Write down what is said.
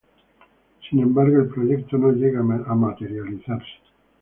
Sin embargo el proyecto no llega a materializarse.